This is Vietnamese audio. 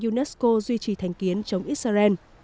unesco duy trì thành kiến chống israel